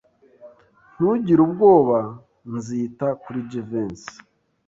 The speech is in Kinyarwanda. Ntugire ubwoba. Nzita kuri Jivency.